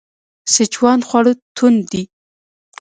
سیچوان خواړه توند دي.